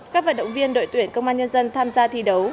các vận động viên đội tuyển công an nhân dân tham gia thi đấu